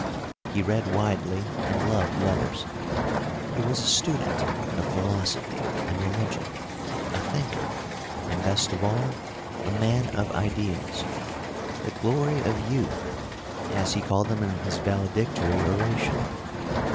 He read widely and loved letters. He was a student of philosophy and religion, a thinker, and, best of all, a man of ideals "the glory of youth," as he called them in his valedictory oration.